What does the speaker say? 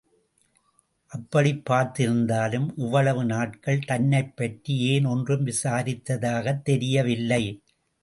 அப்படிப் பார்த்திருந்தாலும் இவ்வளவு நாட்கள் தன்னைப்பற்றி ஏன் ஒன்றும் விசாரித்ததாகத் தெரியவில்லை.